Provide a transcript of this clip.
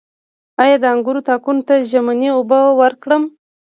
آیا د انګورو تاکونو ته ژمنۍ اوبه ورکړم؟